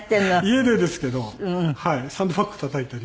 家でですけどサンドバッグたたいたりですね。